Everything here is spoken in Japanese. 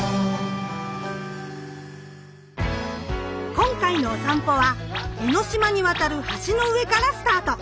今回のおさんぽは江の島に渡る橋の上からスタート！